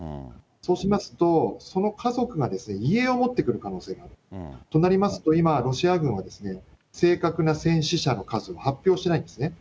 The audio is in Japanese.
そうしますと、その家族が遺影を持ってくる可能性もある、となりますと、今、ロシア軍は正確な戦死者の数を発表してないんですね。